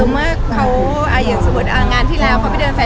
เมื่อเขาเหมือนสมมุติงานที่แรกเขาไปแฟชั่นโชว์